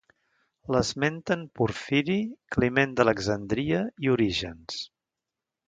L'esmenten Porfiri, Climent d'Alexandria i Orígens.